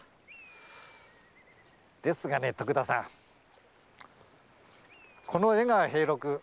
ですがね徳田さんこの江川兵六